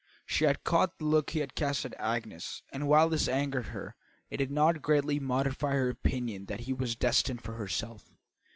She had caught the look he had cast at Agnes, and while this angered her, it did not greatly modify her opinion that he was destined for herself.